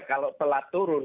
kalau telat turun